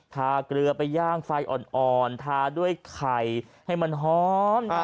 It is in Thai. เกลือไปย่างไฟอ่อนทาด้วยไข่ให้มันหอม